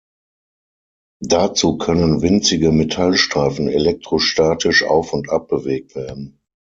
Dazu können winzige Metallstreifen elektrostatisch auf und ab bewegt werden.